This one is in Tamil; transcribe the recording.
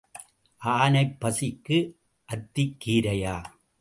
ஆனைப் பசிக்கு ஆத்திக் கீரையா?